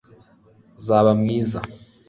uzaba mwiza